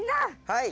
はい。